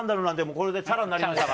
これでチャラになりましたから。